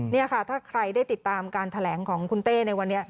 นี่ค่ะถ้าใครได้ติดตามการแถลงของคุณเต้ในวันนี้